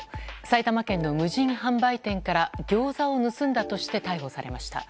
埼玉県の無人販売店からギョーザを盗んだとして逮捕されました。